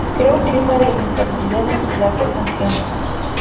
Por lo que crea un clima de inestabilidad entre las dos naciones.